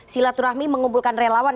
silaturahmi mengumpulkan relawan